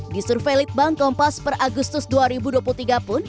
di survei litbang kompas per agustus dua ribu dua puluh tiga pun